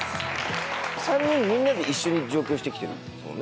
３人みんなで一緒に上京して来てるんですもんね？